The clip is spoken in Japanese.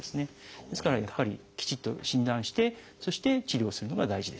ですからやっぱりきちっと診断してそして治療するのが大事です。